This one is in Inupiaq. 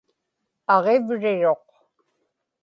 aġivriruq